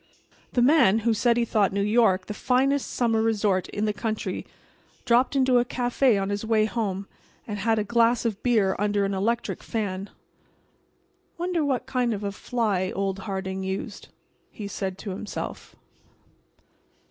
The man who said he thought New York the finest summer resort in the country dropped into a café on his way home and had a glass of beer under an electric fan. "Wonder what kind of a fly old Harding used," he said to himself.